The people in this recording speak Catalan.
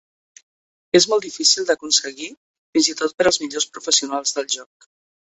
És molt difícil d'aconseguir, fins i tot per als millors professionals del joc.